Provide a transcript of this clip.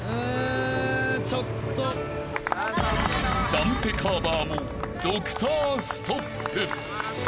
［ダンテ・カーヴァーもドクターストップ］